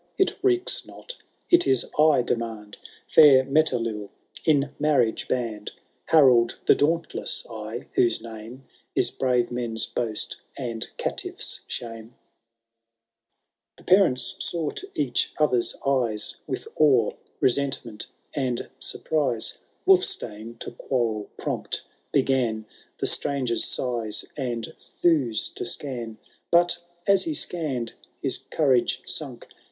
It recks not — it is I demand Fair Metelill in marriage band ; 138 HIROLD THE VAVHTLMB. CantO tl, Harold the Dsuntless I, whose name Is brave xnen^s boast and caitifhi shame/* The parents sought each other*s eyes, With awe, resentment, and surprise : Wulfttane, to quarrel prompt, began The stranger^ size and thewes to scan ; But as he scanned, his courage sunk.